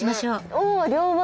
おお両脇。